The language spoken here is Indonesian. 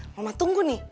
mama tunggu nih